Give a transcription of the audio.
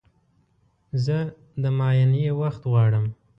زه د معاینې وخت غواړم.